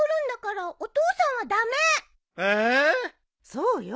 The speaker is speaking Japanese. そうよ。